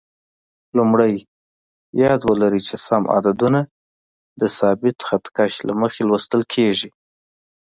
لومړی: یاد ولرئ چې سم عددونه د ثابت خط کش له مخې لوستل کېږي.